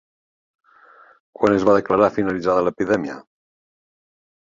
Quan es va declarar finalitzada l'epidèmia?